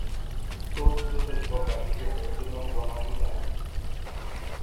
Todos os advogados do mundo não vão ajudá-lo!